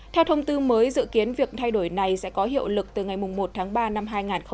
theo thông tư mới dự kiến việc thay đổi này sẽ có hiệu lực từ ngày một tháng ba năm hai nghìn hai mươi